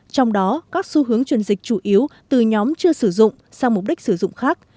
trong đó các xu hướng chuyển dịch chủ yếu từ nhóm chưa sử dụng sang mục đích sử dụng khác